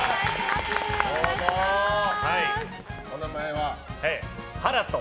お名前は。